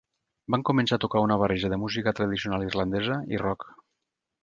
Van començar a tocar una barreja de música tradicional irlandesa i rock.